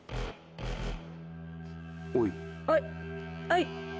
はい。